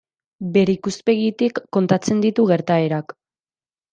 Bere ikuspegitik kontatzen ditu gertaerak.